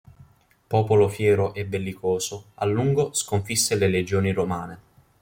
Popolo fiero e bellicoso, a lungo sconfisse le legioni romane.